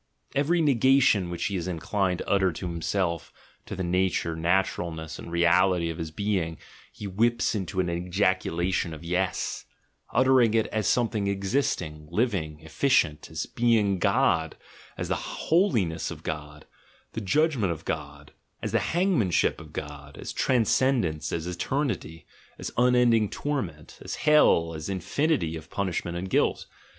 Every negation which he is inclined to utter to himself, to the 88 THE GENEALOGY OF MORALS nature, naturalness, and reality of his being, he whips into an ejaculation of "yes," uttering it as something ex isting, living, efficient, as being God, as the holiness of God, the judgment of God, as the hangmanship of God, as transcendence, as eternity, as unending torment, as hell, as infinity of punishment and guilt.